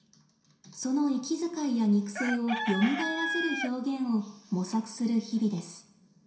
その息遣いや肉声をよみがえらせる表現を模索する日々です。